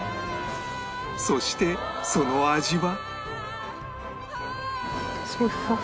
そしてその味は